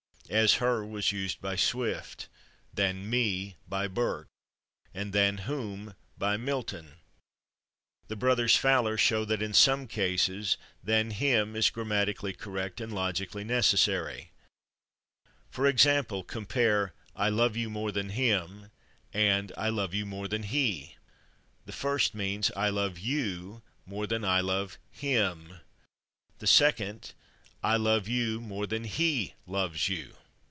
"As /her/" was used by Swift, "than /me/" by Burke, and "than /whom/" by Milton. The brothers Fowler show that, in some cases, "than /him/," is grammatically correct and logically necessary. For example, compare "I love you more than /him/" and "I love you more than /he/." The first means "I love you more than (I love) /him/"; the second, "I love you more than /he/ (loves you)."